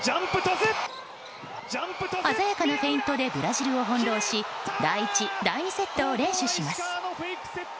鮮やかなフェイントでブラジルを翻弄し第１、第２セットを連取します。